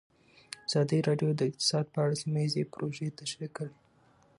ازادي راډیو د اقتصاد په اړه سیمه ییزې پروژې تشریح کړې.